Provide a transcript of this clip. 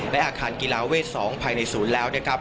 และอาคารกีฬาเวท๒ภายในศูนย์แล้วนะครับ